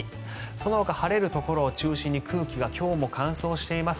そのほか晴れるところを中心に今日も空気が乾燥しています。